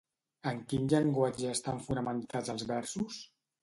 En quin llenguatge estan fonamentats els versos?